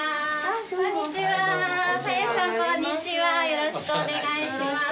よろしくお願いします。